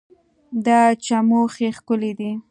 دا چموښي ښکي دي